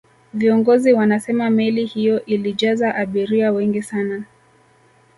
viongozi wanasema meli hiyo ilijaza abiria wengi sana